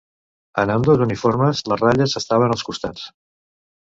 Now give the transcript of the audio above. En ambdós uniformes, les ratlles estaven als costats.